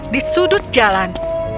di sudut jalan